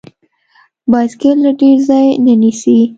بایسکل له ډیر ځای نه نیسي.